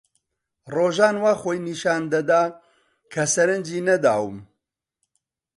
ڕۆژان وا خۆی نیشان دەدا کە سەرنجی نەداوم.